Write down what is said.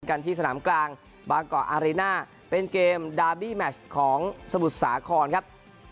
ที่สนามกลางบางเกาะอารีน่าเป็นเกมดาร์บี้แมชของสมุทรสาครครับ